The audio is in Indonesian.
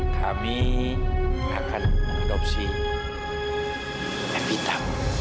kami akan mengadopsi evita